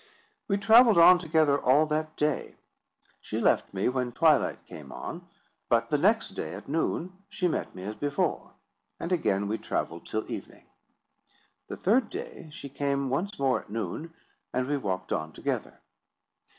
We travelled on together all that day. She left me when twilight came on; but next day, at noon, she met me as before, and again we travelled till evening. The third day she came once more at noon, and we walked on together.